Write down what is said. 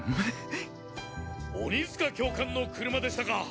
鬼塚教官の車でしたか！